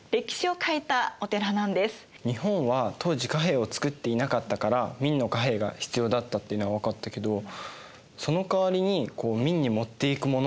日本は当時貨幣を作っていなかったから明の貨幣が必要だったっていうのは分かったけどそのかわりに明に持っていくものって何だったんだろう？